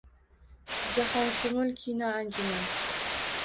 Jahonshumul kino anjuman